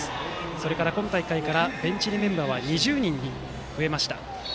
それから今大会からベンチ入りのメンバーは２０人に増えました。